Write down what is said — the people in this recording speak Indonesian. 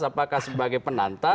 apakah sebagai penantang